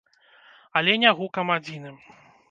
Але не гукам адзіным!